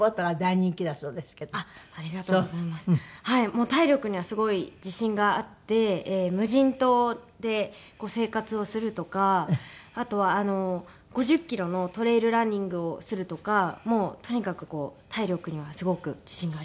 もう体力にはすごい自信があって無人島で生活をするとかあとは５０キロのトレイルランニングをするとかもうとにかくこう体力にはすごく自信があります。